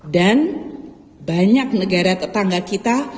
dan banyak negara tetangga kita